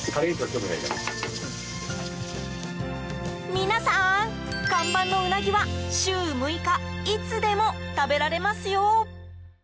皆さん、看板のウナギは週６日いつでも食べられますよ。